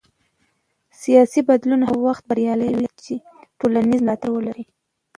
سیاسي بدلون هغه وخت بریالی وي چې ټولنیز ملاتړ ولري